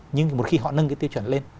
nhưng một khi họ nâng cái tiêu chuẩn lên